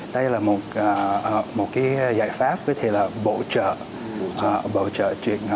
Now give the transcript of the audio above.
đây là một cái giải pháp có thể là bổ trợ bổ trợ chuyện học trong lớp